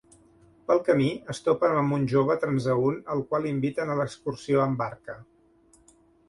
Pel camí es topen amb un jove transeünt al qual inviten a l'excursió amb barca.